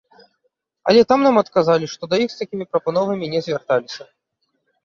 Але там нам адказалі, што да іх з такімі прапановамі не звярталіся.